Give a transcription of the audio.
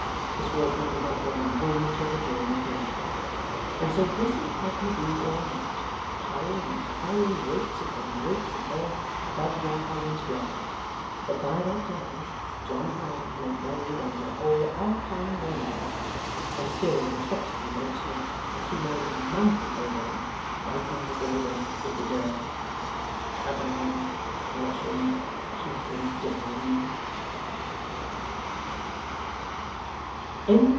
His walking did not bring him home until the dawn of day. And so busy had he been all night, piling and piling weights upon weights of earth above John Harmon's grave, that by that time John Harmon lay buried under a whole Alpine range; and still the Sexton Rokesmith accumulated mountains over him, lightening his labour with the dirge, 'Cover him, crush him, keep him down!